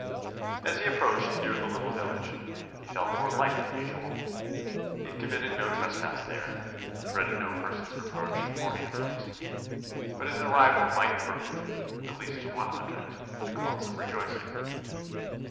As he approached near the little village, he felt more light than usual. He had committed no trespass there, dreaded no person's reproach or inquiries; but his arrival might prove, at least to one object, the cause of rejoicing.